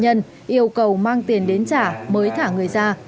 yêu cầu mang tiền đến trả mới thả người ra